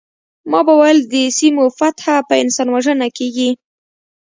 ما به ویل د سیمو فتح په انسان وژنه کیږي